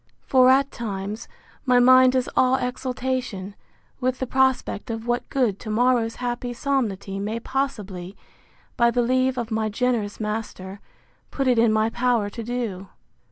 —For, at times, my mind is all exultation, with the prospect of what good to morrow's happy solemnity may possibly, by the leave of my generous master, put it in my power to do.